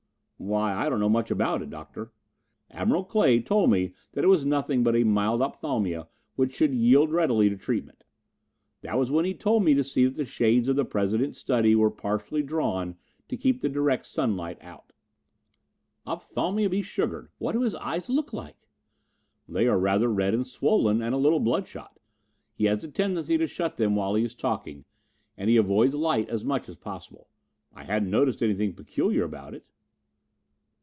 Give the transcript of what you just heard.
"Why, I don't know much about it, Doctor. Admiral Clay told me that it was nothing but a mild opthalmia which should yield readily to treatment. That was when he told me to see that the shades of the President's study were partially drawn to keep the direct sunlight out." "Opthalmia be sugared! What do his eyes look like?" "They are rather red and swollen and a little bloodshot. He has a tendency to shut them while he is talking and he avoids light as much as possible. I hadn't noticed anything peculiar about it."